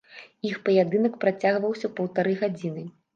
Іх паядынак працягваўся паўтары гадзіны.